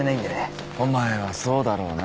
お前はそうだろうな。